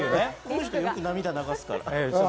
この人よく涙流すから。